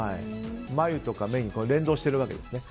眉とか目に連動しているわけですね。